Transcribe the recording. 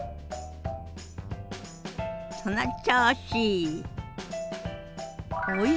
その調子！